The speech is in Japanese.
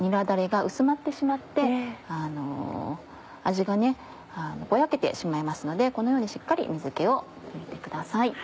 だれが薄まってしまって味がぼやけてしまいますのでこのようにしっかり水気を拭いてください。